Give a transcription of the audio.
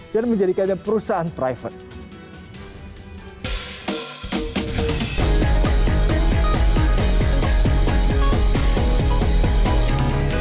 dan menjadikannya perusahaan private